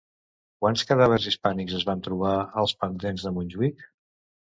Quants cadàvers hispànics es van trobar als pendents de Montjuïc?